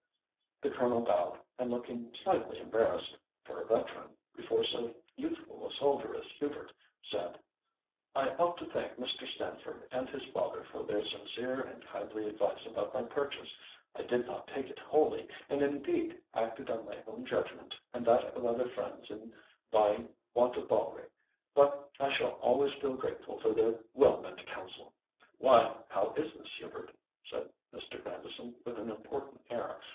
The Colonel bowed, and looking slightly embarrassed, for a veteran, before so youthful a soldier as Hubert, said, "I ought to thank Mr. Stamford and his father for their sincere and kindly advice about my purchase. I did not take it wholly, and indeed acted on my own judgment and that of other friends in buying Wantabalree. But I shall always feel grateful for their well meant counsel." "Why, how is this, Hubert?" said Mr. Grandison with an important air.